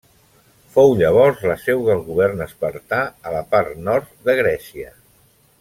Fou llavors la seu del govern espartà a la part nord de Grècia.